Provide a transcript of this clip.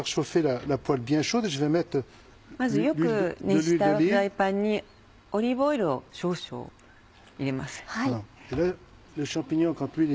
まずよく熱したフライパンにオリーブオイルを少々入れます。